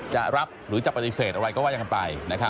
จะรับหรือจะปฏิเสธอะไรก็ว่ากันไป